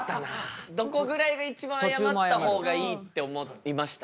どこぐらいが一番あやまった方がいいって思いました？